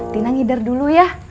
tina ngider dulu yah